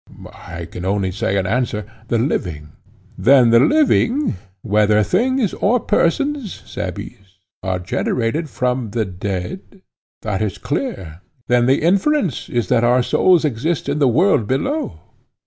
I can only say in answer—the living. Then the living, whether things or persons, Cebes, are generated from the dead? That is clear, he replied. Then the inference is that our souls exist in the world below?